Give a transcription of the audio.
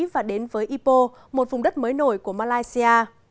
và đến với ipo một vùng đất mới nổi của malaysia